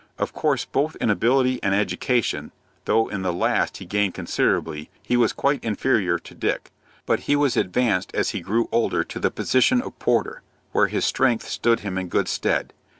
Of course both in ability and education, though in the last he gained considerably, he was quite inferior to Dick; but he was advanced as he grew older to the position of porter, where his strength stood him in good stead.